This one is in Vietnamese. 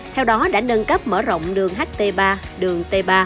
theo đó đã nâng cấp mở rộng đường ht ba đường t ba